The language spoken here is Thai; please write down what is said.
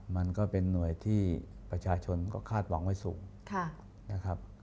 มันก็เป็นหน่วยที่ประชาชนก็คาดหวังไว้สูงนะครับ